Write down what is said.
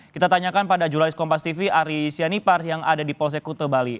kita tanyakan pada jurnalis kompas tv ari sianipar yang ada di polsek kute bali